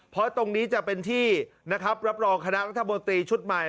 เพราะตรงนี้จะเป็นที่นะครับรับรองคณะรัฐมนตรีชุดใหม่